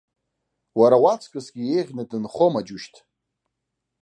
Уара уаҵкысгьы еиӷьны дынхома, џьушьҭ!